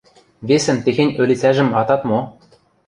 Весӹм техень ӧлицӓжӹм атат мо.